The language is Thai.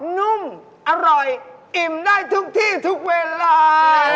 นุ่มอร่อยอิ่มได้ทุกที่ทุกเวลา